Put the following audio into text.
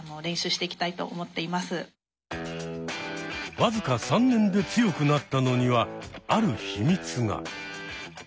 僅か３年で強くなったのにはある秘密が。